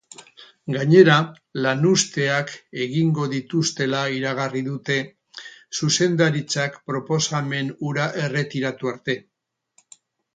Gainera, lanuzteak egingo dituztela iragarri dute, zuzendaritzak proposamen hura erretiratu arte.